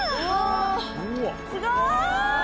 すごい！